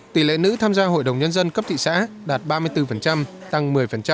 tỷ lệ nữ tham gia hội đồng nhân dân cấp thị xã đạt ba mươi bốn tăng một mươi